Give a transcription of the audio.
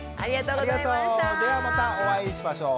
ではまたお会いしましょう。